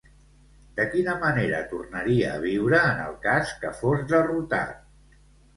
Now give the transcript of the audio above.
De quina manera tornaria a viure en el cas que fos derrotat?